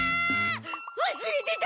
わすれてた！